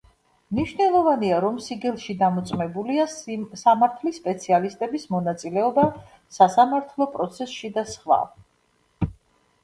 მნიშვნელოვანია, რომ სიგელში დამოწმებულია სამართლის სპეციალისტების მონაწილეობა სასამართლო პროცესში და სხვა.